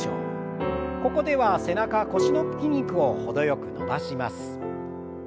ここでは背中腰の筋肉を程よく伸ばします。